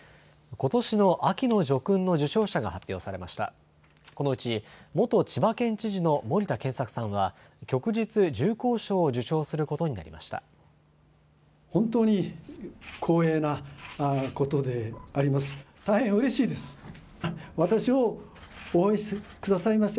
このうち、元千葉県知事の森田健作さんは、旭日重光章を受章することになりました。